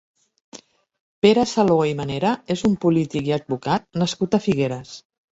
Pere Saló i Manera és un polític i advocat nascut a Figueres.